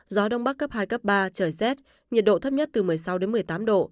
gió đông bắc cấp hai cấp ba trời rét nhiệt độ thấp nhất từ một mươi sáu đến một mươi tám độ